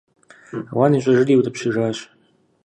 Ауан ищӀыжри иутӀыпщыжащ.